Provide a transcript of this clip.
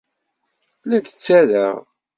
La d-ttarraɣ.